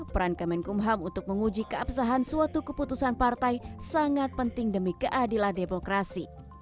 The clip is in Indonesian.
peran kemenkumham untuk menguji keabsahan suatu keputusan partai sangat penting demi keadilan demokrasi